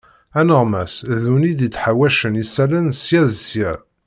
Aneɣmas d win id-yettḥawacen isallen sya d sya.